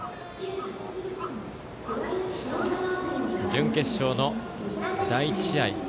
準決勝の第１試合。